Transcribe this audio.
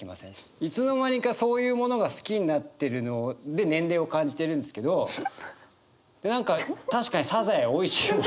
いつの間にかそういうものが好きになってるので年齢を感じてるんですけど何か確かにサザエおいしいもんな。